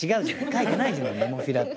書いてないじゃん「ネモフィラ」って。